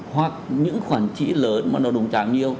hoặc những khoản chi lớn mà nó đồng trả nhiều